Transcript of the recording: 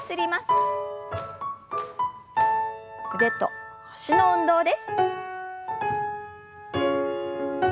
腕と脚の運動です。